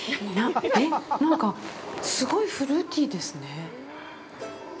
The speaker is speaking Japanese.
えっ、なんか、すごいフルーティーですね。